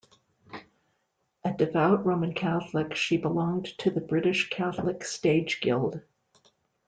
A devout Roman Catholic, she belonged to the British Catholic Stage Guild.